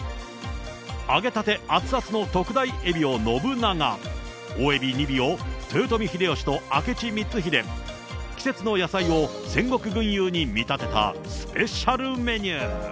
揚げたて熱々の特大えびを信長、大えび２尾を豊臣秀吉と明智光秀、季節の野菜を戦国群雄に見立てたスペシャルメニュー。